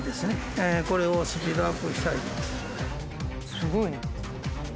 すごいな。